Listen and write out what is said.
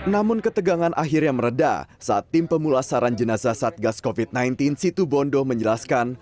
namun ketegangan akhirnya meredah saat tim pemulasaran jenazah satgas covid sembilan belas situ bondo menjelaskan